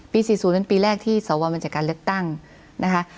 ปี๔๐เป็นปีแรกที่สาววอลมาจากการเลือกตั้งนะคะ